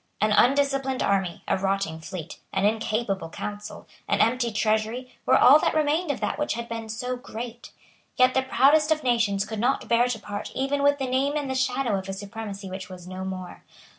An undisciplined army, a rotting fleet, an incapable council, an empty treasury, were all that remained of that which had been so great. Yet the proudest of nations could not bear to part even with the name and the shadow of a supremacy which was no more.